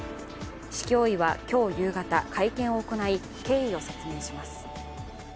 市教委は今日夕方、会見を行い経緯を説明します。